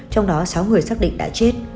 trong đó sáu người xác định đã chết